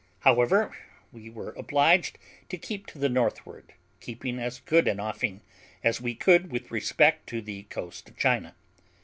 However, we were obliged to keep to the northward, keeping as good an offing as we could with respect to the coast of China.